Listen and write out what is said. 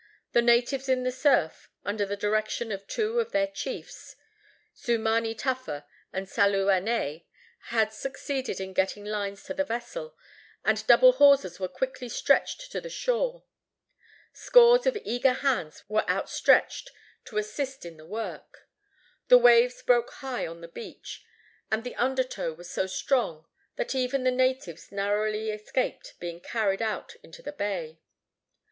The natives in the surf, under the direction of two of their chiefs, Seumanu Tafa and Salu Anae, had succeeded in getting lines to the vessels, and double hawsers were quickly stretched to the shore. Scores of eager hands were outstretched to assist in the work. The waves broke high on the beach, and the undertow was so strong that even the natives narrowly escaped being carried out into the bay.